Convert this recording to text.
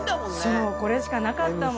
そうこれしかなかったもん。